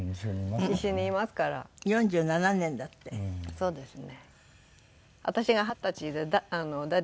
そうですね。